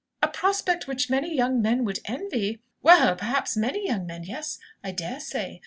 "'A prospect which many young men would envy!' Well, perhaps 'many young men,' yes; I daresay.